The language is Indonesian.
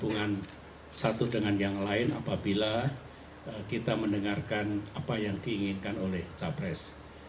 hubungan satu dengan yang lain apabila kita mendengarkan apa yang diinginkan oleh capres